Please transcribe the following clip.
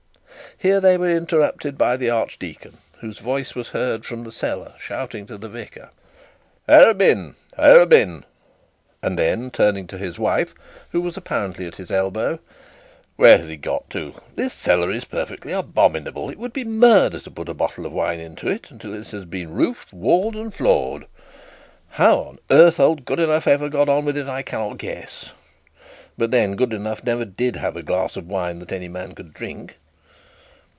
Here they were interrupted by the archdeacon, whose voice was heard from the cellar shouting to the vicar. 'Arabin, Arabin,' and then turning to his wife, who was apparently at his elbow 'where is he gone to? This cellar is perfectly abominable. It would be murder to put a bottle of wine into it till it has been roofed, walled, and floored. How on earth old Goodenough ever got on with it, I cannot guess. But then Goodenough never had a glass of wine that any man could drink.'